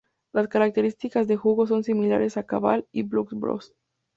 Las Características de juego son similares a "Cabal" y "Blood Bros.